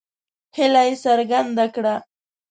هیله یې څرګنده کړه.